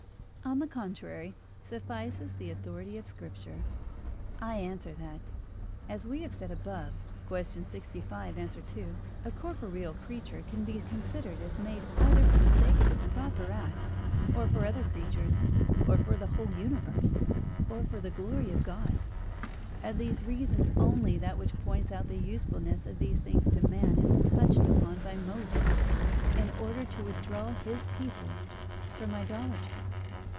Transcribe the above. On the contrary, Suffices the authority of Scripture. I answer that, As we have said above (Q. 65, A. 2), a corporeal creature can be considered as made either for the sake of its proper act, or for other creatures, or for the whole universe, or for the glory of God. Of these reasons only that which points out the usefulness of these things to man, is touched upon by Moses, in order to withdraw his people from idolatry.